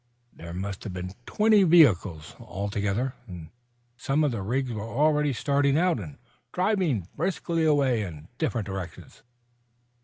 There must have been twenty vehicles, altogether, and some of the rigs were already starting out and driving briskly away in different directions.